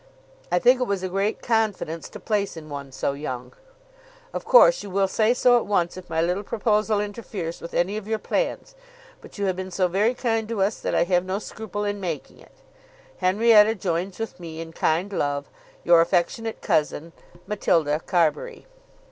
I think it was a great confidence to place in one so young. Of course you will say so at once if my little proposal interferes with any of your plans, but you have been so very very kind to us that I have no scruple in making it. Henrietta joins with me in kind love. Your affectionate cousin, MATILDA CARBURY.